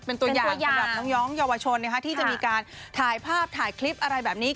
เป็นตัวอย่างสำหรับน้องเยาวชนที่จะมีการถ่ายภาพถ่ายคลิปอะไรแบบนี้